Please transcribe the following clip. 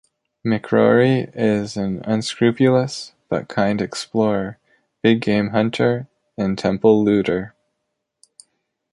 McRory is an unscrupulous but kind explorer, big-game hunter, and temple looter.